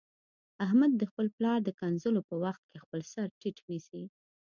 احمد د خپل پلار د کنځلو په وخت کې خپل سرټیټ نیسي.